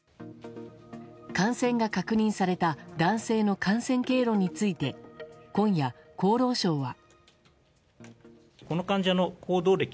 感染が確認された男性の感染経路について今夜、厚労省は。